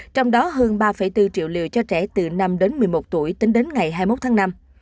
trong đó hơn ba bốn triệu liều cho trẻ từ năm đến một mươi một tuổi tính đến ngày hai mươi một tháng năm